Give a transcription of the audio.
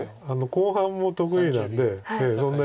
後半も得意なんでそんなに。